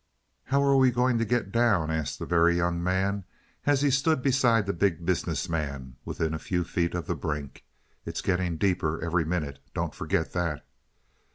"How are we going to get down?" asked the Very Young Man as he stood beside the Big Business Man within a few feet of the brink. "It's getting deeper every minute, don't forget that."